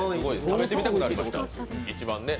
食べてみたくなりました、一番ね。